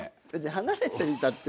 離れてたって。